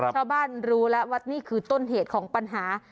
รู้แล้วว่านี่คือต้นเหตุของปัญหา